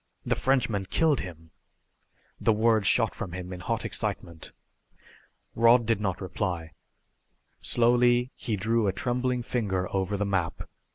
"The Frenchmen killed him!" The words shot from him in hot excitement. Rod did not reply. Slowly he drew a trembling finger over the map.